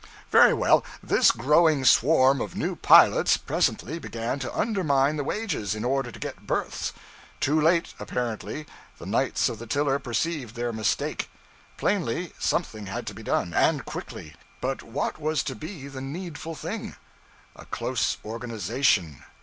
Very well, this growing swarm of new pilots presently began to undermine the wages, in order to get berths. Too late apparently the knights of the tiller perceived their mistake. Plainly, something had to be done, and quickly; but what was to be the needful thing. A close organization.